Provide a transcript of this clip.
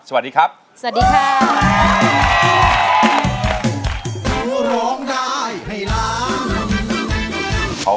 สวัสดีค่ะ